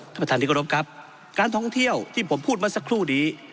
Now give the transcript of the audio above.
ท่านประธานที่กรบครับการท่องเที่ยวที่ผมพูดมาสักครู่นี้